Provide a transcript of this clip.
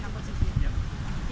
bapak di sana